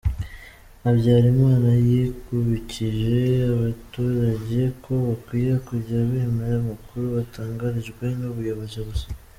Habyarimana yibukije abaturage ko bakwiye kujya bemera amakuru batangarijwe n’ubuyobozi gusa.